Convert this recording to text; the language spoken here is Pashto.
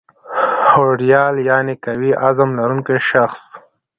هوډیال یعني قوي عظم لرونکی شخص